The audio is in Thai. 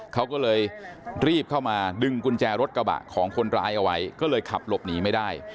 เขาก็เลยรีบเข้ามาดึงกุญแจรถกระบะของคนร้ายเอาไว้ก็เลยขับหลบหนีไม่ได้